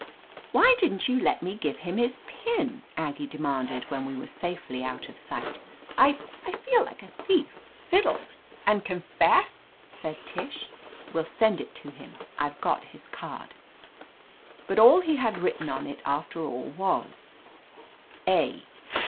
"Why didn't you let me give him his pin?" Aggie demanded when we were safely out of sight. "I— I feel like a thief." "Fiddle! And confess ?" said Tish. "We'll send it to him. I've got his card." But all he had written on it, after all, was, "A.